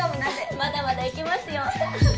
まだまだ行けますよ！